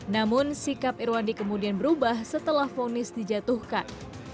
namun sikap irwandi kemudian berubah setelah fonis dijatuhkan